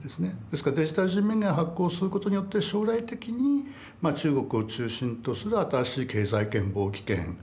ですからデジタル人民元を発行することによって将来的に中国を中心とする新しい経済圏貿易圏通貨圏を作っていくと。